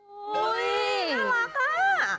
อุ้ยน่ารักค่ะ